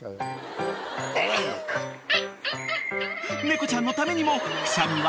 ［猫ちゃんのためにも］